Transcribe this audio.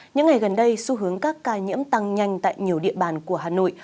những ngày gần đây xu hướng các ca nhiễm tăng nhanh tại nhiều địa bàn của hà nội